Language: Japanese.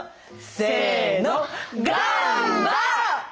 せの。